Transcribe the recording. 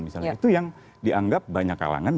misalnya itu yang dianggap banyak kalangan